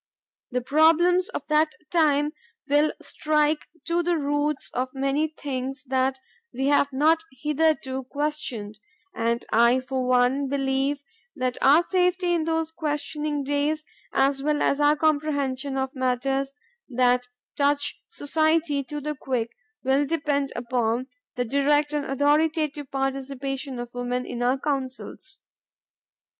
The problems of that time will strike to the roots of many things that we have not hitherto questioned, and I for one believe that our safety in those questioning days, as well as our comprehension of matters that touch society to the quick, will depend upon the direct and authoritative participation of women in our counsels.